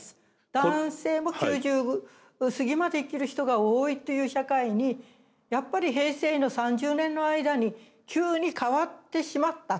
男性も９０過ぎまで生きる人が多いという社会にやっぱり平成の３０年の間に急に変わってしまった。